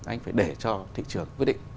anh phải để cho thị trường quyết định